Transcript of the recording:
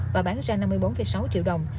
và bán ra năm mươi bốn sáu triệu đồng